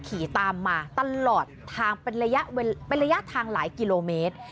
ขี่ตามมาตลอดทางเป็นระยะทางหลายกิโลเมตร